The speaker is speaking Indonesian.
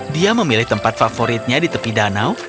dia memilih tempat favoritnya di tepi danau